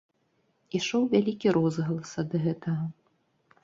Ішоў вялікі розгалас ад гэтага.